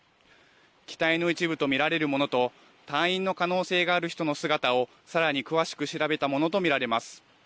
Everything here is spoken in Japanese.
機体の一部と見られるものと隊員の可能性がある人の姿をさらに詳しく調べたものと見られます。